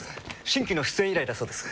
新規の出演依頼だそうです。